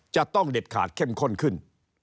จะต้องเด็ดขาดเข้มข้นขึ้น